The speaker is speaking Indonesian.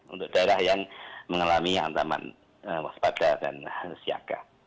untuk daerah yang mengalami hantaman waspada dan siaga